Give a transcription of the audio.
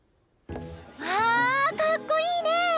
わあかっこいいね！